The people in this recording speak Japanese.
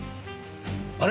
あれ？